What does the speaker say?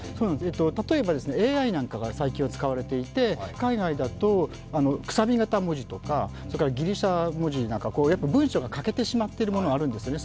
例えばＡＩなんかが最近では使われていて海外だとくさび型文字とかギリシャ文字なんか、文章が欠けてしまっているところがあるんですね。